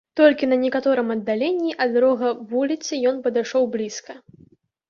Толькі на некаторым аддаленні ад рога вуліцы ён падышоў блізка.